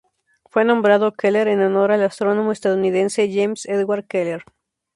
Fue nombrado Keeler en honor al astrónomo estadounidense James Edward Keeler.